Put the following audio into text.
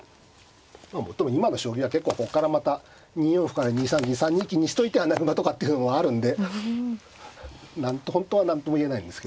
もっとも今の将棋は結構ここからまた２四歩から２三銀３二金にしといて穴熊とかっていうのもあるんで本当は何とも言えないんですけどね。